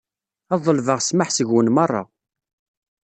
Ad ḍelbeɣ ssmaḥ seg-wen merra.